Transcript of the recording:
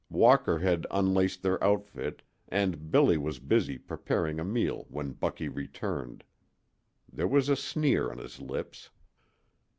Walker had unlaced their outfit, and Billy was busy preparing a meal when Bucky returned. There was a sneer on his lips.